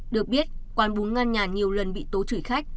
được biết quán bún ăn nhàn nhiều lần bị tố chửi khách